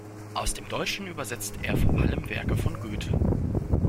Aus dem Deutschen übersetzte er vor allem Werke von Goethe.